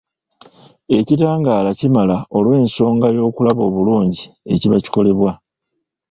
Ekitangaala kimala olw’ensonga y’okulaba obulungi ekiba kikolebwa.